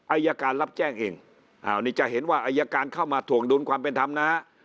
อายการรับแจ้งเองอ้าวนี่จะเห็นว่าอายการเข้ามาถวงดุลความเป็นธรรมนะ